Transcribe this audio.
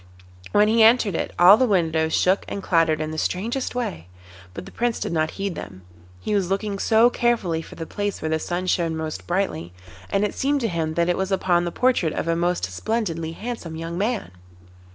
When he entered it all the windows shook and clattered in the strangest way, but the Prince did not heed them; he was looking so carefully for the place where the sun shone most brightly, and it seemed to him that it was upon the portrait of a most splendidly handsome young man.